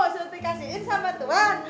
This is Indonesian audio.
surti kasihin sama tuan